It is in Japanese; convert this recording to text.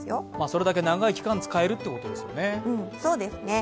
それだけ長い期間、使えるということですよね。